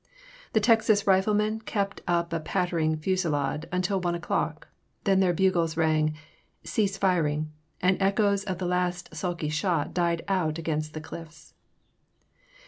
The Texas riflemen kept up a pattering fusilade until one o'clock, then their bugles rang Cease fir ing,*' and the echoes of the last sulky shot died out against the cliffs.